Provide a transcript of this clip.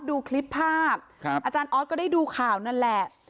ดูคลิปภาพอาจารย์ออสก็ได้ดูข่าวนั่นแหละ